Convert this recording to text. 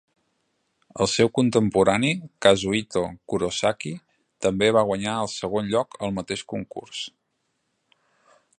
El seu contemporani, Kazuhito Kurosaki, també va guanyar el segon lloc al mateix concurs.